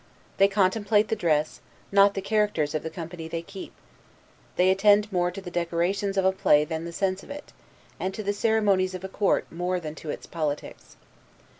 They contemplate the dress, not the characters of the company they keep. They attend more to the decorations of a play than the sense of it; and to the ceremonies of a court more than to its politics.